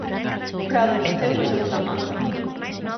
Prado venceu na segunda manga.